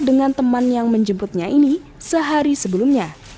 dengan teman yang menjemputnya ini sehari sebelumnya